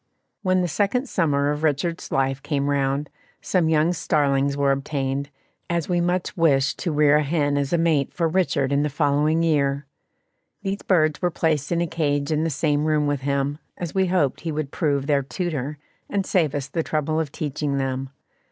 When the second summer of Richard's life came round, some young starlings were obtained, as we much wished to rear a hen as a mate for Richard in the following year. These birds were placed in a cage in the same room with him, as we hoped he would prove their tutor, and save us the trouble of teaching them.